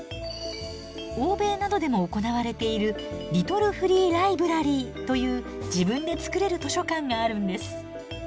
欧米などでも行われているリトルフリーライブラリーという自分で作れる図書館があるんです。